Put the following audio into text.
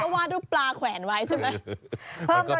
คุณก็ว่าดูปลาแขวนไว้ใช่ป่าว